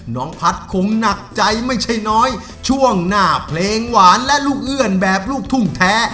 น้องพัฒน์คงหนักใจไม่ใช่น้อยช่วงหน้าเพลงหวานและลูกเอื้อนแบบลูกทุ่งแท้